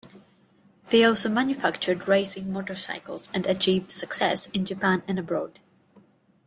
They also manufactured racing motorcycles and achieved success in Japan and abroad.